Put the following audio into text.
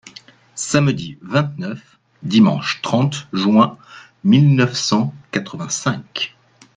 Samedi vingt-neuf, dimanche trente juin mille neuf cent quatre-vingt-cinq.